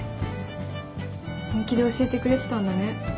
本気で教えてくれてたんだね。